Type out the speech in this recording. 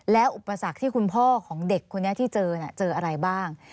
แล้วอุปสรรคที่คุณพ่อของเด็กคนนี้ที่เจอเจออะไรบ้าง